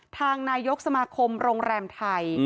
ทางนายกสมาคมโรงแรมไทย